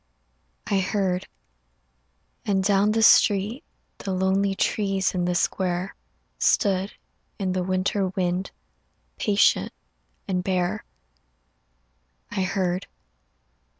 I heard, and down the street The lonely trees in the square Stood in the winter wind Patient and bare. I heard